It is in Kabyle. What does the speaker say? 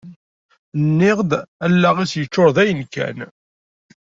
Nniɣ-d allaɣ-is yeččur dayen-kan.